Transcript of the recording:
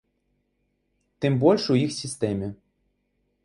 Тым больш у іх сістэме.